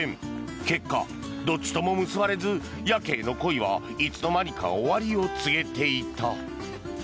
結果、どっちとも結ばれずヤケイの恋はいつの間にか終わりを告げていた。